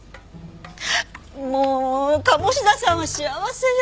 もう鴨志田さんは幸せよ！